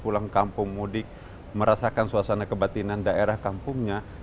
pulang kampung mudik merasakan suasana kebatinan daerah kampungnya